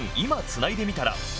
つないでみたら。」